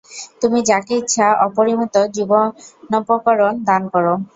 তুমি যাকে ইচ্ছা অপরিমিত জীবনোপকরণ দান কর।